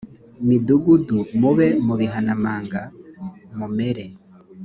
midugudu mube mu bihanamanga mumere